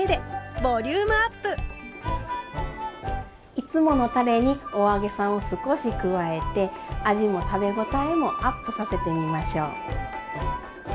いつものたれにお揚げさんを少し加えて味も食べごたえもアップさせてみましょう。